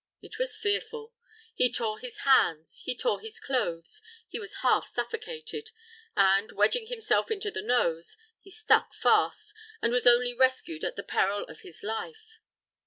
It was fearful. He tore his hands; he tore his clothes; he was half suffocated; and, wedging himself into the nose, he stuck fast, and was only rescued at the peril of his life.